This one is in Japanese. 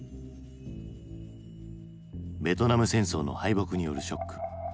ベトナム戦争の敗北によるショック。